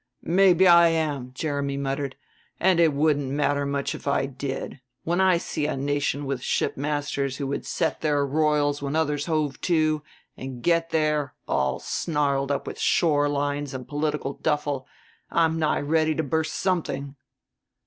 "Maybe I am," Jeremy muttered; "and it wouldn't matter much if I did. When I see a nation with shipmasters who would set their royals when others hove too, and get there, all snarled up with shore lines and political duffel, I'm nigh ready to burst something."